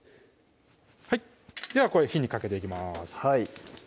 はいではこれ火にかけていきます